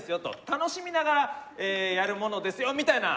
楽しみながらやるものですよみたいな。